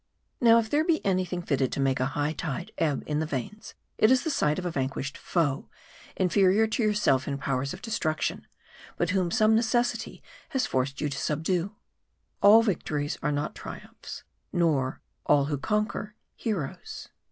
Now, if there be any thing fitted to make a high tide ebb in the veins, it is the sight of a vanquished foe, inferior to yourself in powers of destruction ; but whom some necessity has forced you to subdue. All victories are not triumphs, nor all who conquer, heroes.